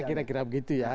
kira kira begitu ya